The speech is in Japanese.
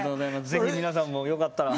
ぜひ皆さんもよかったら。